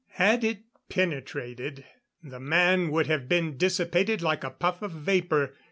Had it penetrated, the man would have been dissipated like a puff of vapor.